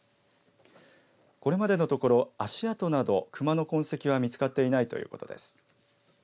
これまでのところ足跡など熊の痕跡は見つかってないということです。